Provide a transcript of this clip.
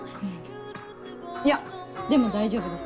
いやでも大丈夫です